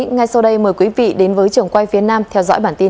ngay sau đây mời quý vị đến với trường quay phía nam theo dõi bản tin